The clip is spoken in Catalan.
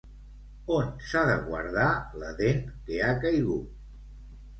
On s'ha de guardar la dent que ha caigut?